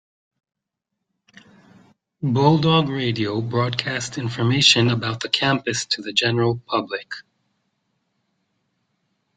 Bulldog Radio broadcast information about the campus to the general public.